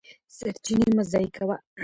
سرچینې مه ضایع کوه.